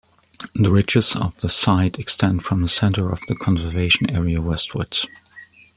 The ridges of the site extend from the center of the conservation area westwards.